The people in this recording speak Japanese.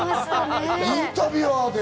インタビュワーで。